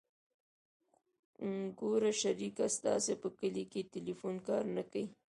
ګوره شريکه ستاسو په کلي کښې ټېلفون کار نه کيي.